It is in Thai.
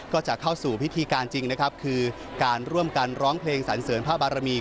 ก็จะเข้าสู่พิธีการจริงนะครับคือการร่วมกันร้องเพลงสันเสริญพระบารมี